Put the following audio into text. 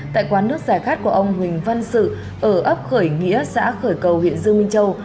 tại quán nước giải khát của ông huỳnh văn sự ở ấp khởi nghĩa xã khởi cầu huyện dương minh châu